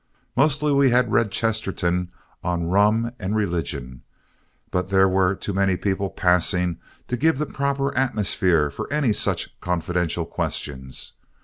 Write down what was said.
Mostly we had read Chesterton on rum and religion, but there were too many people passing to give the proper atmosphere for any such confidential questions.